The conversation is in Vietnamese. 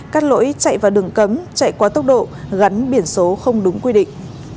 các lỗi chạy vào đường cấm chạy quá tốc độ gắn biển số không đúng quy định